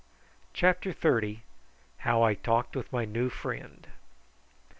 CHAPTER THIRTY. HOW I TALKED WITH MY NEW FRIEND.